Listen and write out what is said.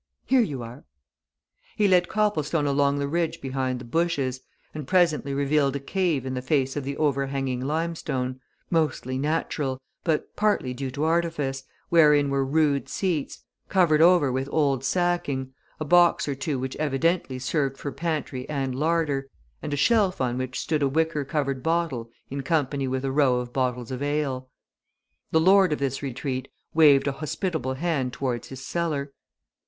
Here you are!" He led Copplestone along the ridge behind the bushes, and presently revealed a cave in the face of the overhanging limestone, mostly natural, but partly due to artifice, wherein were rude seats, covered over with old sacking, a box or two which evidently served for pantry and larder, and a shelf on which stood a wicker covered bottle in company with a row of bottles of ale. The lord of this retreat waved a hospitable hand towards his cellar.